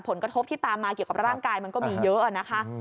ผลกระทบที่ตามมาเกี่ยวกับร่างกายมันก็มีเยอะนะคะ